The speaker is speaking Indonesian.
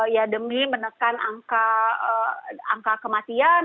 ya demi menekan angka kematian